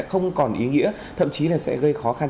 không còn ý nghĩa thậm chí là sẽ gây khó khăn